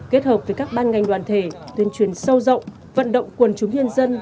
kết hợp với các ban ngành đoàn thể tuyên truyền sâu rộng vận động quần chúng nhân dân